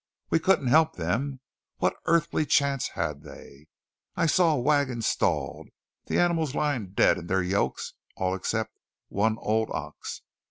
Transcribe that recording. We couldn't help them. What earthly chance had they? I saw a wagon stalled, the animals lying dead in their yokes, all except one old ox.